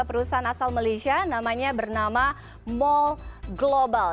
perusahaan asal malaysia namanya bernama mall global